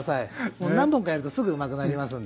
もう何本かやるとすぐうまくなりますんで。